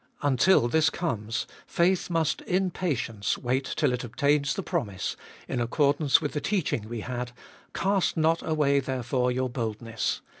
Until this comes, faith must in patience wait till it obtains the promise, in accordance with the teaching we had: "Cast not away therefore your boldness.